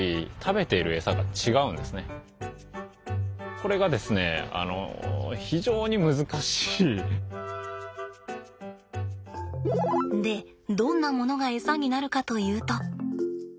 これがですねでどんなものがエサになるかというと。